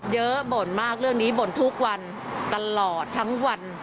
บ่นมากเรื่องนี้บ่นทุกวันตลอดทั้งวัน